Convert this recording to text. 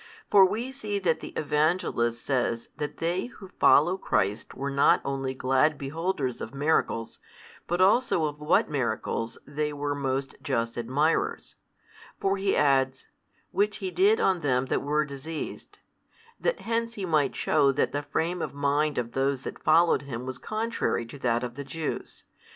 For we see that the Evangelist says that they who followed Christ were not only glad beholders of miracles, but also of what miracles they were most just admirers. For he adds, Which He did on them that were diseased, that hence he might shew that the frame of mind of those that followed Him was contrary to that of the Jews.